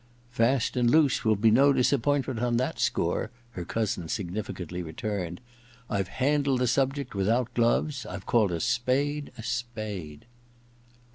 " Fast and Loose " will be no disappoint ment on that score,* her cousin significantly returned. * I've handled the subject without gloves. I've called a spade a spade.